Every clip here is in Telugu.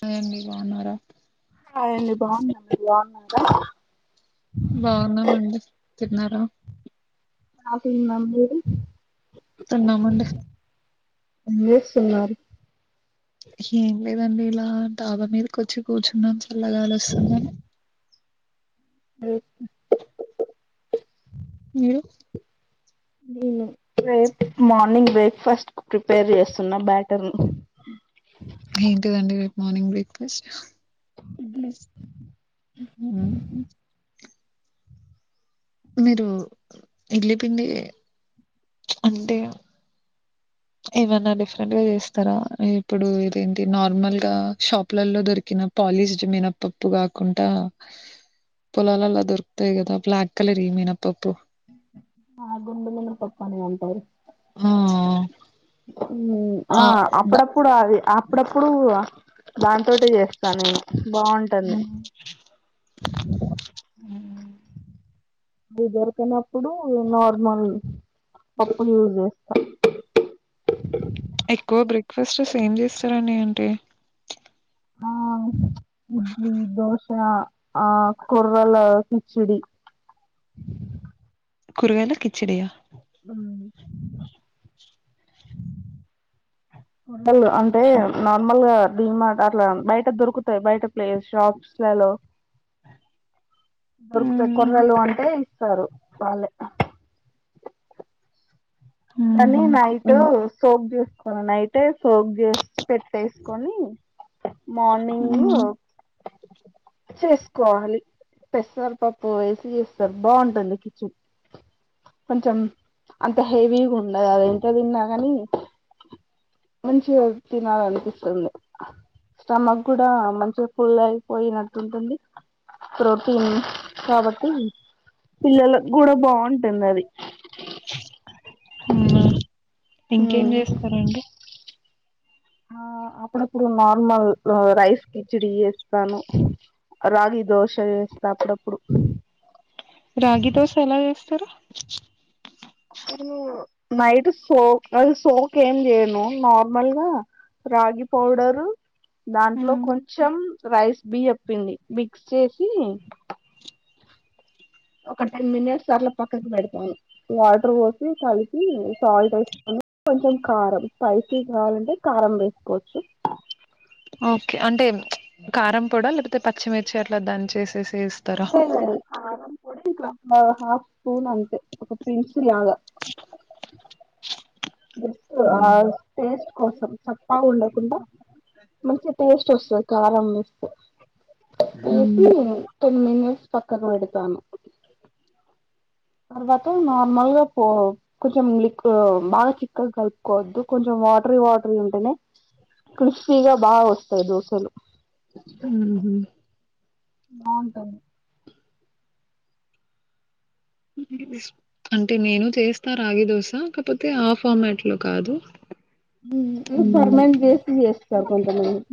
హాయ్ అండి బాగున్నారా హాయ్ అండి బాగున్నాం. మీరు బాగున్నారా బాగున్నామండి తిన్నారా హా తిన్నాం మీరు తిన్నామండీ ఏం చేస్తున్నారు ఏం లేదు దండి ఇలా డాబా మీదకి వచ్చి కూర్చున్నాం చల్లగాలుస్తుందని ఓహో మీరు నేను రేప్ మార్నింగ్ బ్రేక్ఫాస్ట్ కు ప్రిపేర్ చేస్తున్నా బ్యాటర్ ఏంటి ఇదండి మార్నింగ్ బ్రేక్ఫాస్ట్ ఇడ్లీ ఉహు మీరు ఇడ్లీ పిండి అంటే ఏమన్నా డిఫరెంట్ గా చేస్తారా, ఇప్పుడు ఇదేంటి నార్మల్ గా షాపులలో దొరికిన పాలిష్డ్ మినప్పప్పు కాకుండా, పొలాలలో దొరుకుతాయి కదా బ్లాక్ కలర్ వి మినప్పప్పు ఆ గుండు మినప్పప్పు అని అంటారు. హూమ్ ఉహ్ ఆ అప్పుడప్పుడు అది అప్పుడప్పుడు దాంతోటి చేస్తా నేను బాగుంటంది ఉహ్ ఇది దొరకనప్పుడు నార్మల్ పప్పు లూజు టాక్ టాక్ టాక్ ఎక్కువ బ్రేక్ఫాస్టేస్ ఎమ్ చేస్తారండే ఏంటి ఆ ఇడ్లీ దోషా ఆ కుర్రలో కిచ్చిడి కురగాయలా కిచ్చడియా హ్మ్మ్ ఉండలు అంటే నార్మల్ గా డీ మార్ట్ అట్లా బయట దొరుకుతాయి బయట ప్లే షాప్స్ లలో దొరుకుతాయి కొర్రలు అంటే ఇస్తారు వాళ్ళే వాళ్ళు ఉహు నైట్ సోప్ జ్యూస్ కొననైతే సోక్ జేసి పెట్టేసుకొని మార్నింగ్ అవునా హోప్ చేసుకోవాలి పెసరపప్పు వేసి చేస్తర్ బావుంటుంది కిచిడి కొంచెం అంత హెవీ ఉండలేకా అవి ఎంటివో తిన్నా కాని మంచిగ అ తినాలనిపిస్తుంది, స్టమక్ కూడా మంచిగ ఫుల్ అయిపోయినట్టుంటుంది, ప్రోటీన్ కాబట్టి పిల్లలకు కూడా బావుంటు తిన్నది హుమ్మ్ ఇంకేం చేస్తారండి ఆ అప్పుడప్పుడు నార్మల్ రైస్ కిచడి చేస్తాను రాగి దోశ వేస్తా అప్పుడప్పుడు రాగి దోశ ఎలా చేస్తరు అ నైట్ సో అద్ సోక్ ఏం చేయను నార్మల్గా రాగి పౌడరు దాంట్లో కొంచెం రైస్ బి చెప్పింది మిక్స్ చేసీ ఒక టెన్ మినెట్స్ అట్ల పక్కకి పెడతాను వాటర్ వొసి కలిపి సాల్ట్ ఎసుకుని కొంచెం కారం స్పైసీ కావలంటే కారం వేసుకోవచ్చు ఓకే అంటే ప్చ్ కారంపొడ లేకపోతే పచ్చిమిర్చి అట్ల దాంచేసేసి [unintelligible] ఒద్దిక హా హా ఫ్ స్పూన్ అంతే ఒక పిన్సిల్ లాగా జస్ట్ ఆ టేస్ట్ కోసం చప్పగా ఉండకుండా మంచిగా టేస్ట్ వస్తది కారం వేస్తె వేసి ఉహు టెన్ మినిట్స్ పక్కకు బెడుతాను [inaudible] తర్వాత నార్మల్ గా పో కొంచెం లిక్ ఉ బాగా చిక్కగ్ కలుపుకోవద్దు కొంచెం వాటర్ వాటర్ ఉంటేనే క్రిస్పీగా బాగా వస్తాయి దోశలు మ్మ్ హ్హ్ బాగుంటది అంటే నేను చేస్తా రాగిదోశ కాపోతే ఆ ఫార్మేట్ లో కాదు ఇ ఉమ్ ఫర్మం చేే ఎస్ కాకుంటా మంది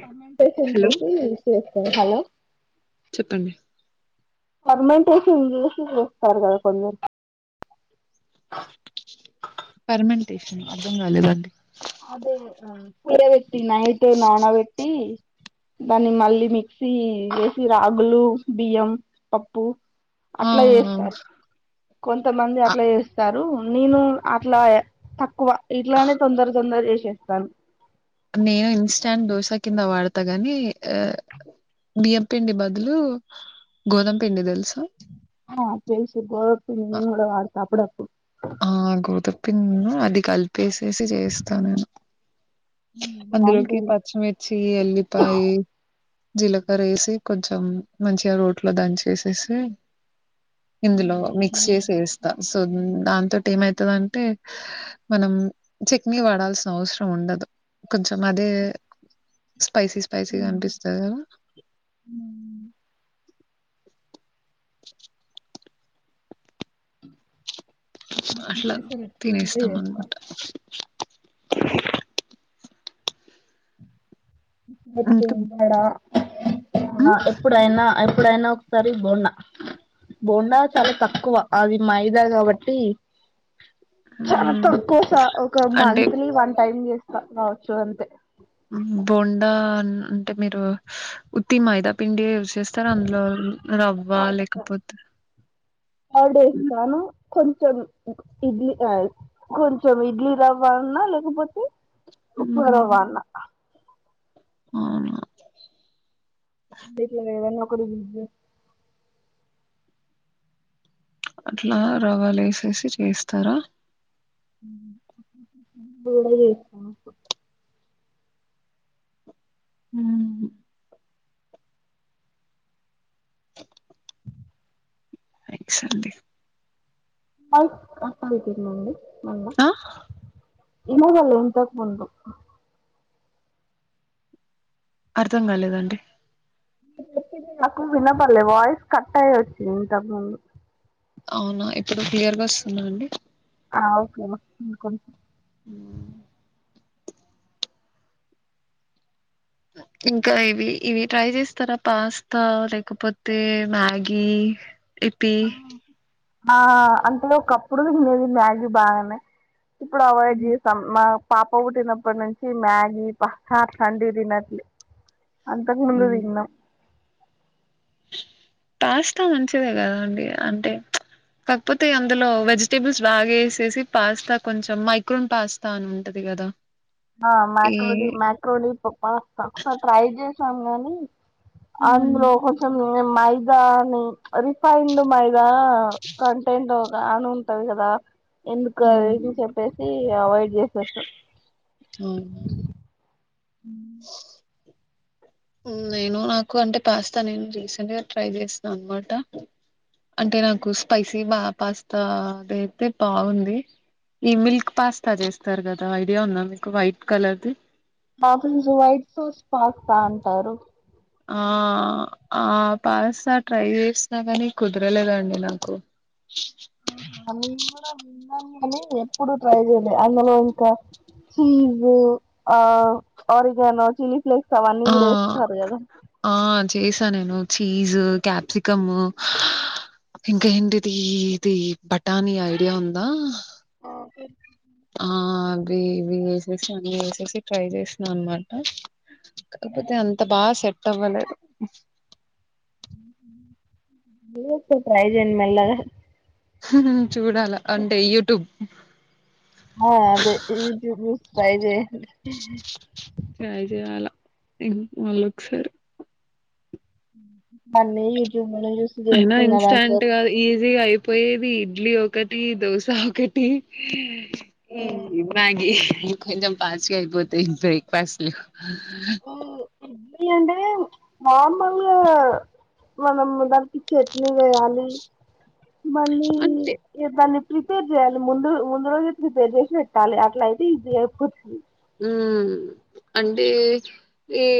కమెంటేషన్ హలో చేస్ హలో చెప్పండి ఫర్మెంటేషన్ ఇ చేసి చేస్తారు కదా కొందరు పర్మెంటేషన్ అర్థం కాలేదండి అదే పెట్టి నైట్ నాణ పెట్టి దాన్ని మళ్ళీ మిక్సీ చేేసి రాగులు బియ్యం పప్పు ఆ అట్లా చేస్తారు కొంతమంది ఆ అట్లా చేస్తారు నేను అట్లా తక్కువ ఇట్లా తొందర తొందర చేసేస్తాను నేను ఇన్స్టాంట్ దోశ కింద వాడతా గాని బియ్యంపిిండి బదులు గోధుమ పిండి తెలుసుా హా తె శు బ కూడా వాత అపుడ పి అది కలిపేసేసి చేస్తానుేను అందులోకి బాగుంటుంది పచ్చిమిర్చి అల్లిపాయి జీలకర్ర వేసి కొంచెం మంచిగా రోట్లో దాని చేసేసి ఇందులో మిక్స్ చేసి వేస్తా సో దాంతోటి ఏమైతుందంటే మనం చట్నీ వాడాల్సిన అవసరం ఉండదు కొంచెం అదే స్పైసీ స్పైసీగా అనిపిస్తది కదా అట్లా తినేస్తాం అనమాట [inaudible] అ ఇంకా ఎన్ డడా ఎప్పుడైనా ఎప్పుడైనా సరి బోండా బోండా చాలా తక్కువ అవి మైదాగాబ ఇ చాలా ఉమ్ తక్కువస ఒక అంటే మంత్లీ వన్ టైమ్ చేస్త అ రాచ్చు అంతె బోండా అన్- అంటే మీరు ఉత్తి మయిద పిండి చేస్తారు అందులో రవ్వ లేకపోతే కర్డ్ వేస్తాను కొంచెం ఇడ్లీ అ కొంచెం ఇడ్లీ రవ్వన్నా లేకపోతే ఉప్పు రవ్వ మ్మ్. అన్నా అవునా కు అట్లా రవాలు ఏసేసి చేస్తారా కేడ చే మ్హ్ సల్లే అప్పగదరి నండి మ్ ఆ ఇమదల్ ఇంతంతాకు ముం అర్థం గాలేదండి నాకు వినపడలే వాయిస్ కట్ అయ్యొచ్చి ఇంతక్ ముందు అవునా ఇప్పుడు క్లియర్గా ఒస్తుందా అండి ఆ ఓకే హ ఇంకా ఇవి ఇవి ట్రై చేస్తారా పాస్తా లేకపోతే మ్యాగీ ఇపీ ఆ అంతలో ఒకప్పుడు వినేది మ్యాగీ బాగనే ఇప్పుడు అవాయిడ్ చేసాం మా పాప వుటినప్పటి నుంచి మ్యాగీ పస్తాట్లాంటి తినట్లే అంతక్ ముందు తిన్నం పాస్తా మంచిదే కదా అండి అంటే కాకపోతే అందులో వెజిటేబుల్స్ బాగా ఏసేసి పాస్తా కొంచెం మైక్రోన్ పాస్తా అని ఉంటది గదా ఆ మ్యాక్రోళి మ్యాక్రోళి ప్ పాస్త ఒక్క సరి ట్రై జే సంగని అంద్ హ్మ్ లో కొంచం నె మయి రాను రిఫైన్డ్ మై హా కంటెండ్ రాను ఉంటవి కదా ఎందుకు ఆది హ్మ్ ఇది చెప్పేసి అవాయిడ్ చేసేస అ నేను నాకు అంటే పాస్తా నేను రీసెంట్గా ట్రై చేసినా అనమాట అంటే నాకు స్పైసీ బా పాస్తా అద అయితే బాగుంది ఈ మిల్క్ పాస్తా చేస్తారు కదా ఐడియా ఉందా మీకు వైట్ కలర్ది [unintelligible] వైట్ సుస్ పాస్తా అంటారు ఆ ఆ పాస్తా ట్రై చేసినా కానీ కుదరలేదండి నాకు ఆహా నేను కూడా విన్నాను అని ఎప్పుడు ట్రై చేయలే అందులో ఇంకా చీజ్ ఆ ఆరిగానో చిల్లీ ఫ్లేక్ ఆ ఆ చేసి నేను చీజ్ క్యాప్సికమ్ ఇంక ఏంటిది ఇది బటానీ ఐడియా ఉందా [inaudible] ఆ అవి ఇవి వేసేసి అన్ని వేసేసి ట్రై చేసిన అనమాట కాకపోతే అంత బాగా సెట్ అవ్వలేదు కుదిరితే ట్రై చేయండి మళ్ళా చూడాలా అంటే యూట్యూబ్ ఆ అదే యూట్యూబ్ చూసి ట్రై చేయండి ట్రై చేయాల ఇంక్ మళ్ళా ఒకసారి అన్ని యూట్యూబ్ లోనే చూసి అయినా చేస్తున్నారు ఇన్స్టాట్ అందరు గా ఈ గా అయిపోయేది ఇడ్లీ ఒకటి దోశ ఒకటి ఈ మ్యాగి కొంచెం పాస్ట్ గా అయిపోతాయి బ్రేక్ఫాస్ట్ లు [inaudible] ఏంటి అంటే మామూలుగా మనం దానికి చట్నీ చేయాలి మళ్ళీ అంటే దాన్నీ ప్రిపేర్ చేయాలి ముందు ముందు రోజే ప్రిపేర్ చేసి పెట్టాలి అట్ల అయితే ఈజీ గా అయిపోతది ఊమ్ అంటే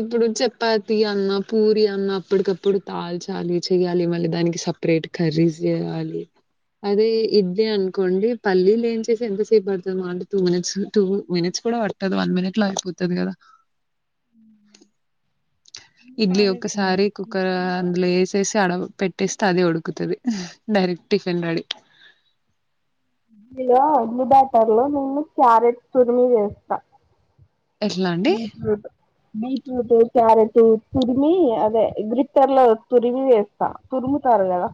ఇప్పుడు చపాతి అన్న పూరి అన్న అప్పటికప్పుడు కాల్చాలి చెయ్యాలి మళ్ళీ దానికి సపరేట్ కర్రీస్ చేయాలి అదే ఇది అనుకోండి పల్లీలు వేంచేసి ఎంతసేపు పడుతంది మహా అంటే టూ మినిట్స్ టూ మినిట్స్ కూడా పట్టా కదా వన్ మినిట్ లో అయిపోతది కదా ఇడ్లీ ఒకసారి కుక్కర్ అందులో ఏసేసి ఆడ పెట్టేస్తే అదే ఉడుకుతది డైరెక్ట్ టిఫిన్ రెడీ ఇడ్లీలో ఇడ్లీ బ్యాటర్ లో నేను క్యారెట్ తురిమి వేస్తా ఎట్లా అండి బీట్రూట్ క్యారెట్ తురిమి అదే గ్రిట్టర్ లో తురిమి వేస్తా తురుముతారు కదా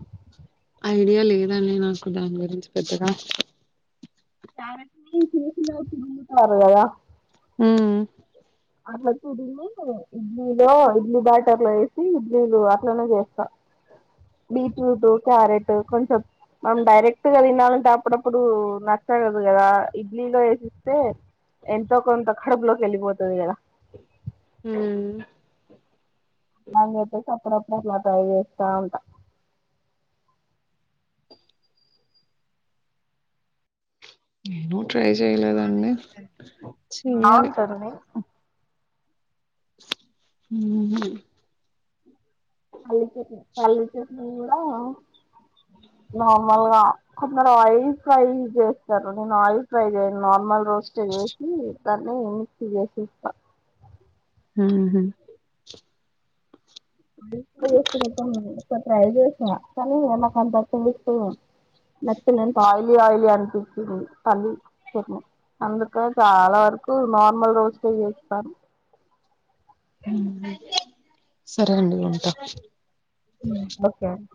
ఐడియా లేదండి నాకు దాని గురించి పెద్దగా క్యారెట్ ని చిన్న చిన్నగా తురుముతారు కదా హ్మ్ మ్మ్ అట్లా తురిమి ఇడ్లీలో ఇడ్లీ బ్యాటర్ లో వేసి ఇడ్లీలు అట్లనే చేస్తా బీట్రూటు క్యారెటు కొంచెం మనం డైరెక్ట్ గా తినాలంటే అప్పుడప్పుడు నచ్చదు గదా ఇడ్లీలో వేసిస్తే ఎంతో కొంత కడుపులోకి వెళ్ళిపోతు లేదు కదా హ్మ్ నాకైతే చెప్పడు అ మాతాయి చేస్తా ఉంటా నేను ట్రై చెయలేదండి చెయ్యాలి బాగుంటుంది హ్మ్ పల్లీ చట్నీ పల్లీ చట్నీ కూడా నార్మల్ గా కొందరు ఆయిల్ ఫ్రై చేస్తారు నేను ఆయిల్ ఫ్రై చేయను నార్మల్ రోస్ స్ట్ చేసి దాన్ని మిక్సీ కెసేస్త ఊహూ ఒకసారి ట్రై చేసిన కానీ నాకు [unintelligible] అంత నచ్చలే ఆయిలీ ఆయిలీ అనిపించింది పల్లి చట్నీ అందుకే చాలా వరకు నార్మల్ రోస్టే చేస్తాను హ్మ్ సరే అండి ఉంటా హ్మ్ ఓకే అండి